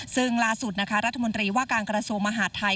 ซึ่งล่าสุดนะคะรัฐมนตรีว่าการกระทรวงมหาดไทย